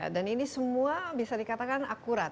dan ini semua bisa dikatakan akurat